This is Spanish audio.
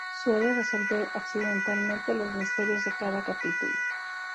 Suele resolver accidentalmente los misterios de cada capítulo.